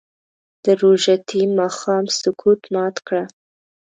د روژتي ماښام سکوت مات کړه